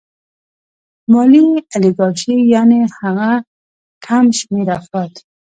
مالي الیګارشي یانې هغه کم شمېر افراد